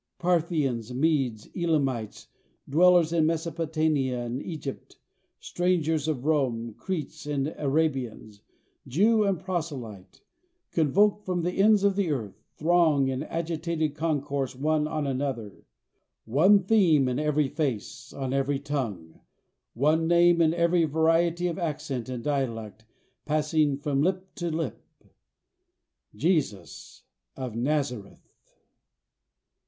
Parthians, Medes, Elamites, dwellers in Mesopotamia and Egypt, strangers of Rome, Cretes and Arabians, Jew and Proselyte, convoked from the ends of the earth, throng in agitated concourse one on another; one theme in every face, on every tongue, one name in every variety of accent and dialect passing from lip to lip: "Jesus of Nazareth!"